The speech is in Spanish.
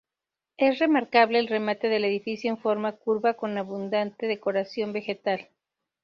Es remarcable el remate del edificio en forma curva con abundante decoración vegetal.